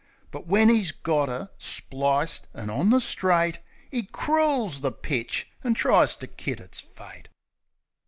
But when 'e's got 'er, spliced an' on the straight, 'E crools the pitch, an' tries to kid it's Fate.